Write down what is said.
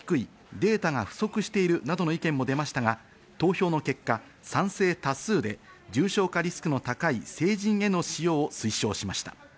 データが不足しているなどの意見も出ましたが投票の結果、賛成多数で重症化リスクの高い成人への使用を推奨しました。